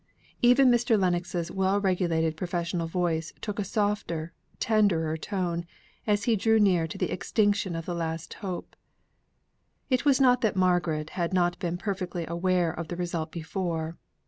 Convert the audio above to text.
Even Mr. Lennox's well regulated professional voice took a softer, tenderer tone, as he drew near to the extinction of the last hope. It was not that Margaret had not been perfectly aware of the result before.